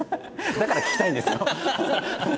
だから聞きたいんですよ。